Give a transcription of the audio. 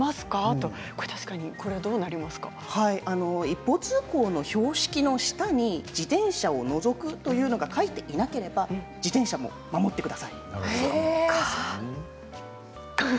一方通行の標識の下に自転車を除くと書いていなければ自転車も守ってください。